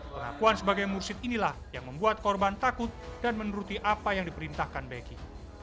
pengakuan sebagai mursyid inilah yang membuat korban takut dan menuruti apa yang diperintahkan beki